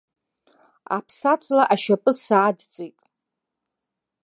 Аԥсаҵла ашьапы саадҵит.